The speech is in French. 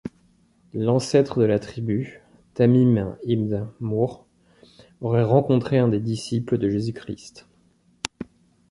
L'ancêtre de la tribu, Tamīm ibn Murr, aurait rencontré un des disciples de Jésus-Christ.